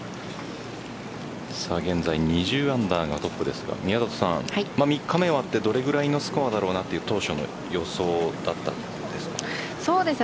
現在２０アンダーがトップですが３日目終わって、どれぐらいのスコアだろうなという当初の予想だったんですか？